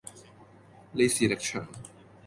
李氏力場